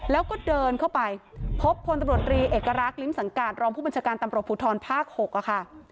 แล้วก็เดินเข้าไปพบพลตำรวจรีเอกลักษลิ้มสังการรองผู้บัญชาการตำรวจภูทรภาค๖ค่ะ